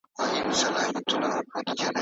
يوازې د هغه کس جزيه واخلئ چي عاقل وي.